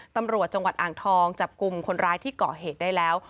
ตำรวจจังหวัดอ่างทองจับกลุ่มคนร้ายที่เกาะเหตุได้แล้ว